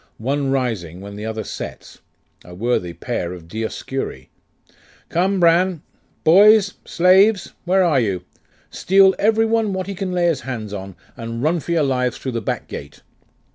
One rising when the other sets. A worthy pair of Dioscuri! Come, Bran!...Boys! Slaves! Where are you? Steal every one what he can lay his hands on, and run for your lives through the back gate.